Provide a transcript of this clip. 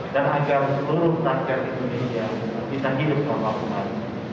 dan agar seluruh rakyat indonesia bisa hidup berpapunan